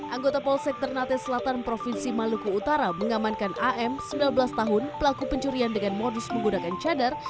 anggota polsek ternate selatan provinsi maluku utara mengamankan am sembilan belas tahun pelaku pencurian dengan modus menggunakan cadar